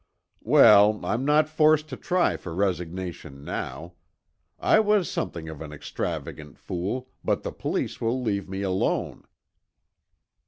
"Well, I'm not forced to try for resignation now. I was something of an extravagant fool, but the police will leave me alone."